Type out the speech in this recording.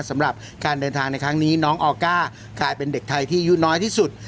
สำหรับการเดินทางในครั้งนี้น้องออก้ากลายเป็นเด็กไทยที่อายุน้อยที่สุด